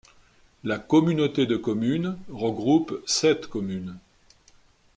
La communauté de communes regroupe sept communes.